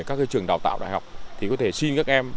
các trường đào tạo đại học thì có thể xin các em